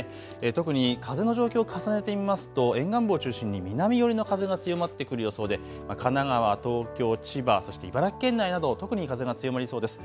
特に風の状況、重ねてみますと沿岸部を中心に南寄りの風が強まってくる予想で神奈川、東京、千葉、そして茨城県内など特に風が強まりそうです。